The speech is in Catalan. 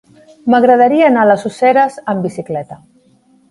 M'agradaria anar a les Useres amb bicicleta.